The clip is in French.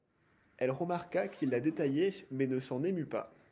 Elle remarqua qu’il la détaillait mais ne s’en émut pas.